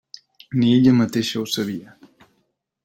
Ni ella mateixa ho sabia.